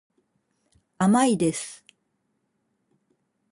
甘いです。